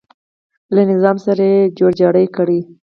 له نظام سره یې جوړ جاړی کړی.